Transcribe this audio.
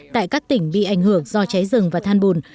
tại các tỉnh bị ảnh hưởng do cháy rừng và than bùn